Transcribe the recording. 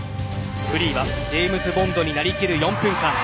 フリーはジェームズ・ボンドになりきる４分間。